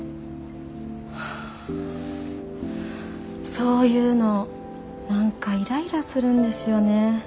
そういうの何かイライラするんですよね。